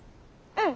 うん。